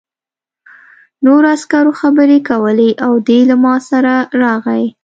نورو عسکرو خبرې کولې او دی له ما سره راغی